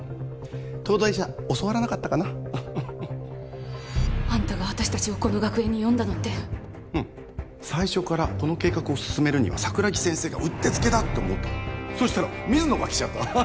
東大じゃ教わらなかったかなあんたが私達をこの学園に呼んだのってうん最初からこの計画を進めるには桜木先生がうってつけだって思ったのそしたら水野が来ちゃったアハハ